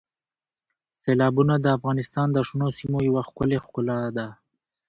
سیلابونه د افغانستان د شنو سیمو یوه ښکلې ښکلا ده.